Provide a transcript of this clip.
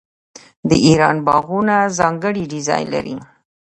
د ایران باغونه ځانګړی ډیزاین لري.